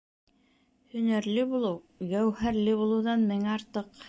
Һөнәрле булыу гәүһәрле булыуҙан мең артыҡ.